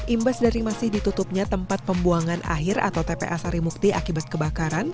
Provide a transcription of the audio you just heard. imbas dari masih ditutupnya tempat pembuangan akhir atau tpa sarimukti akibat kebakaran